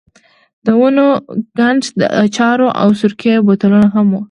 د ونو کنډ، د اچارو او سرکې بوتلونه هم وو.